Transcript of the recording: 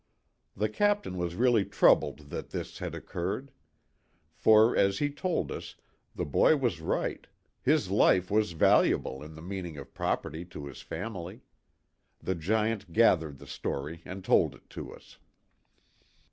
The captain was really troubled that this had occurred ; for, as he told us, the boy was right his life was "valuable" in the meaning of property to his family. The Giant gathered the story and told it to us.